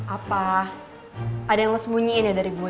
apa ada yang ngesembunyiin ya dari gue